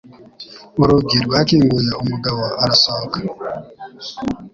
Urugi rwakinguye umugabo arasohoka.